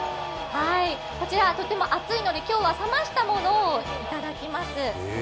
こちらとても熱いので、今日は冷ましたものをいただきます。